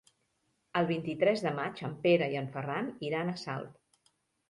El vint-i-tres de maig en Pere i en Ferran iran a Salt.